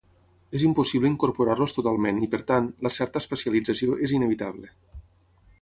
És impossible incorporar-los totalment i per tant, la certa especialització és inevitable.